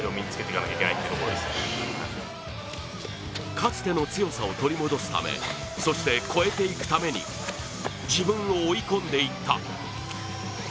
かつての強さを取り戻すためそして超えていくために自分を追い込んでいった。